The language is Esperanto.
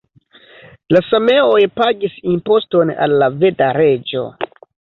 La sameoj pagis imposton al la veda reĝo.